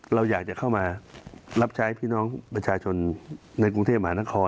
เราอยากจะเข้ามารับใช้พี่น้องประชาชนในกรุงเทพมหานคร